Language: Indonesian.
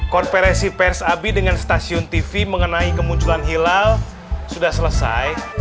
konferensi pers abi dengan stasiun tv mengenai kemunculan hilal sudah selesai